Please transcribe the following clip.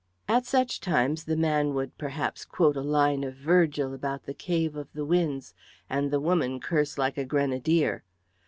At such times the man would perhaps quote a line of Virgil about the cave of the winds, and the woman curse like a grenadier.